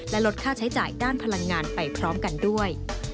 และลดค่าใช้จ่ายด้านพลังงานไปพร้อมกันด้วย